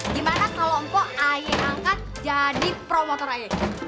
gimana kalau po ae angkat jadi promotor ae